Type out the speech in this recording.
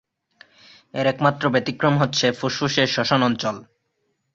এর একমাত্র ব্যতিক্রম হচ্ছে ফুসফুসের শ্বসন অঞ্চল।